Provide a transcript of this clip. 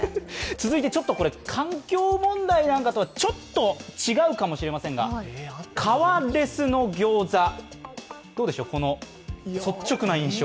環境問題なんかとはちょっと違うかもしれませんが、皮レスのギョーザ、どうでしょう、率直な印象。